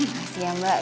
makasih ya mbak